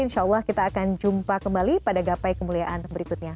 insya allah kita akan jumpa kembali pada gapai kemuliaan berikutnya